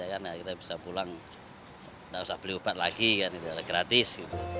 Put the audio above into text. kita bisa pulang gak usah beli obat lagi gratis